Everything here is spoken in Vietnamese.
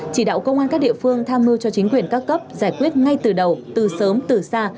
chỉ đạo công an các địa phương tham mưu cho chính quyền các cấp giải quyết ngay từ đầu từ sớm từ xa